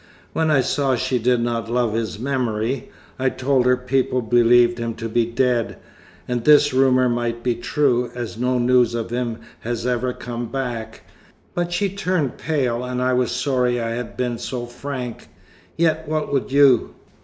When I saw she did not love his memory, I told her people believed him to be dead; and this rumour might be true, as no news of him has ever come back. But she turned pale, and I was sorry I had been so frank. Yet what would you?